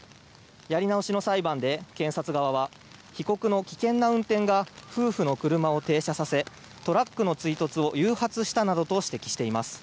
やり直しの裁判で検察側は被告の危険な運転が夫婦の車を停車させトラックの追突を誘発したなどと指摘しています。